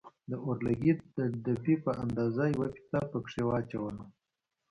د اورلګيت د دبي په اندازه يوه فيته يې پکښې واچوله.